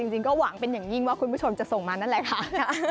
จริงก็หวังเป็นอย่างยิ่งว่าคุณผู้ชมจะส่งมานั่นแหละค่ะ